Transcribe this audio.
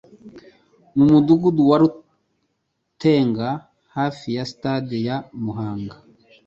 mu Mudugudu wa Rutenga hafi ya Stade ya Muhanga